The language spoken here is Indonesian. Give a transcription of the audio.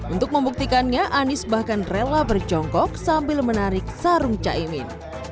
untuk membuktikannya anies bahkan rela berjongkok sambil menarik sarung caimin